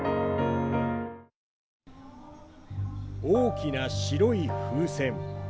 大きな白い風船。